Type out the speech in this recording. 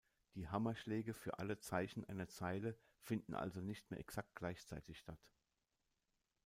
Die Hammerschläge für alle Zeichen einer Zeile finden also nicht mehr exakt gleichzeitig statt.